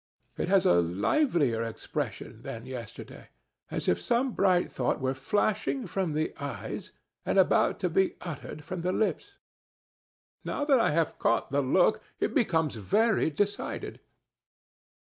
It has a livelier expression than yesterday, as if some bright thought were flashing from the eyes and about to be uttered from the lips. Now that I have caught the look, it becomes very decided."